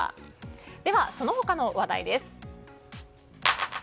では、その他の話題です。